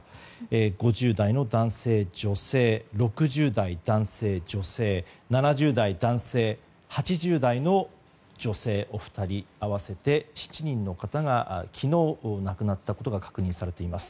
５０代の男性、女性６０代の男性、女性７０代男性、８０代の女性お二人合わせて７人の方が昨日、亡くなったことが確認されています。